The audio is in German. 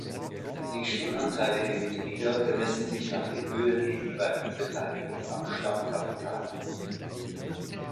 Die Stimmanteile der Mitglieder bemessen sich nach der Höhe der jeweiligen Beteiligung am Stammkapital.